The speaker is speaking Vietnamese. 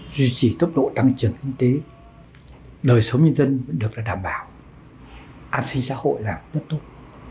duy trì tốc độ tăng trưởng kinh tế đời sống nhân dân được đảm bảo an sinh xã hội là rất tốt